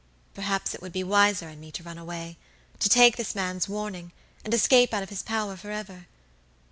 Perhaps it would be wiser in me to run away, to take this man's warning, and escape out of his power forever.